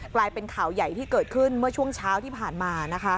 กลายเป็นข่าวใหญ่ที่เกิดขึ้นเมื่อช่วงเช้าที่ผ่านมา